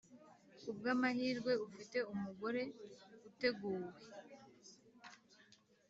kubwamahirwe ufite umugore uteguwe